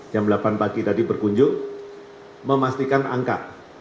jam delapan pagi tadi berkunjung memastikan angka